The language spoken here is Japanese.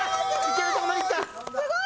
すごい！